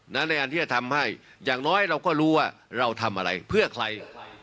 ในการที่จะทำให้อย่างน้อยเราก็รู้ว่าเราทำอะไรเพื่อใคร